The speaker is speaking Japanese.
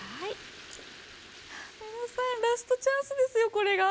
ラストチャンスですよ、これが。